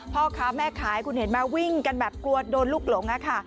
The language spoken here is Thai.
พ่อค้าแม่ขายคุณเห็นไหมวิ่งกันแบบกลัวโดนลูกหลงค่ะ